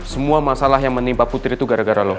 semua masalah yang menimpa putri itu gara gara loh